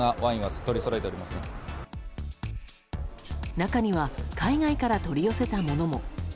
中には海外から取り寄せたものも。